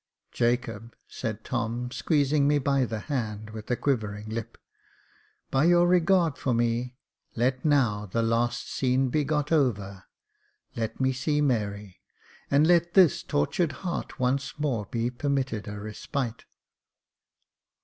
" Jacob," said Tom, squeezing me by the hand, with a quivering lip, " by your regard for me, let now the last scene be got over — let me see Mary, and let this tortured heart once more be permitted a respite."